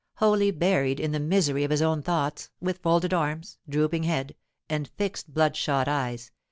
Wholly buried in the misery of his own thoughts, with folded arms, drooping head, and fixed, bloodshot eyes, M.